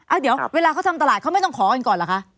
เดี๋ยวเวลาเขาทำตลาดเขาไม่ต้องขอกันก่อนเหรอคะ